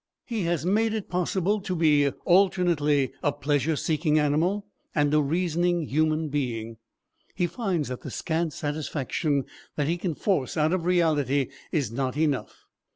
He has made it possible to be alternately a pleasure seeking animal and a reasoning human being. He finds that the scant satisfaction that he can force out of reality is not enough.